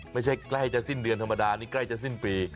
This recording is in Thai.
ไม่ใช่ใกล้จะสิ้นเดือนธรรมดานี่ใกล้จะสิ้นปี